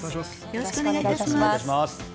よろしくお願いします。